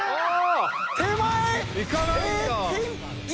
手前！